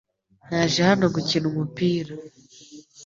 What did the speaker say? Naje hano gukina umupira .